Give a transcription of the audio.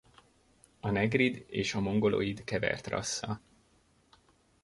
A negrid és a mongolid kevert rassza.